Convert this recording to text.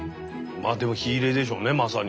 まあでも火入れでしょうねまさに。